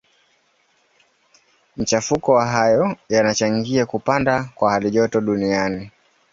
Machafuko hayo yanachangia kupanda kwa halijoto duniani.